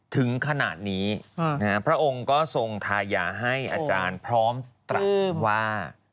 ถึงขนาดนี้พระองค์ก็ทรงทายาให้อาจารย์พร้อมตรัสว่า